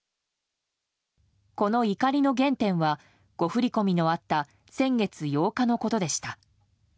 この怒りの原点は誤振り込みのあった先月８日のことでした。